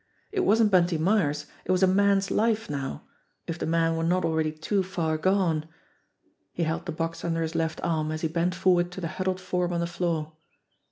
It wasn't Bunty Myers, it was a man's life now if the man were not already too far gone. He held the box under his left arm, as he bent forward to the huddled form on the floor.